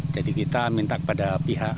jadi kita minta kepada pihak